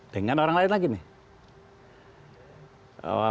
dengan orang lain lagi nih